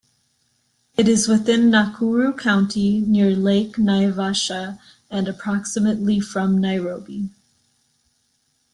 It is within Nakuru County, near Lake Naivasha and approximately from Nairobi.